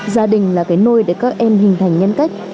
gia đình là cái nôi để các em hình thành nhân cách